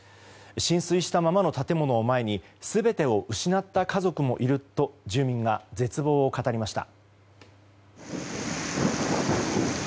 浸水したままの建物を前に全てを失った家族もいると住民が絶望を語りました。